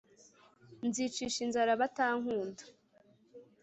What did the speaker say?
Nzicisha inzara abatankunda